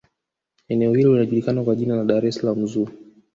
eneo hilo linajukikana kwa jina la dar es salaam zoo